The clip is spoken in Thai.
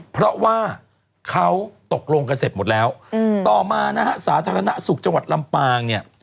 เพราะว่าเขาตกลงกันเสร็จหมดแล้วต่อมานะฮะสาธารณสุขจังหวัดลำปางเนี่ย